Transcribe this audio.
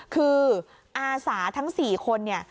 คืออาสาทั้ง๔คนเนี่ย